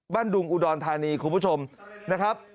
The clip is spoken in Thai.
ดุงอุดรธานีคุณผู้ชมนะครับ